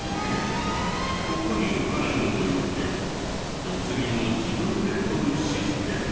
ここにお金を置いてお釣りも自分で取るシステム。